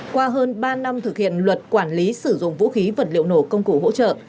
qua hơn ba năm thực hiện luật quản lý sử dụng vũ khí vật liệu nổ công cụ hỗ trợ